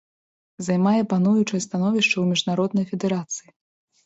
Займае пануючае становішча ў міжнароднай федэрацыі.